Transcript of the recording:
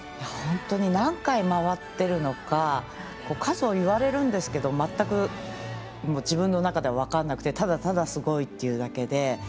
本当に何回回っているのか数を言われるんですけど全く自分の中では分からなくてただただ、すごいというだけで。